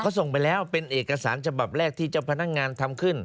เขาส่งไปแล้วเป็นเอกสารฉบับแรกที่เจ้าพนักงานทำขึ้น